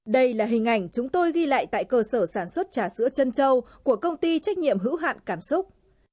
đây là hình ảnh chúng tôi ghi lại tại cơ sở sản xuất trà sữa chân châu của công ty trách nhiệm hữu hạn cảm xúc